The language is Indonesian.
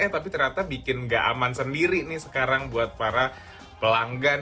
tapi ternyata bikin gak aman sendiri nih sekarang buat para pelanggan